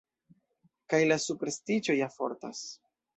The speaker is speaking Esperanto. Kaj la superstiĉo ja fortas.